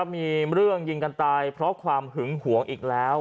มีเรื่องยิงกันตายเพราะความหึงหวงอีกแล้ว